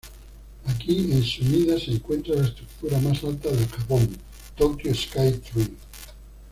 Aquí en Sumida se encuentra la estructura más alta de Japón: Tokyo Sky Tree